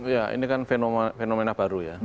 ya ini kan fenomena baru ya